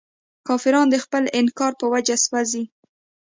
کافران د خپل انکار په وجه سوځي.